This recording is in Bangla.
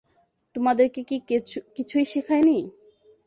তোমাদেরকে কি কিছুই শিখাইনি?